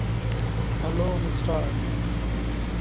শিল্প ও কলকারখানা মৎস হিমাগার ইন্ডাস্ট্রিজ, ফিস প্রসেসিং ইন্ডাস্ট্রিজ।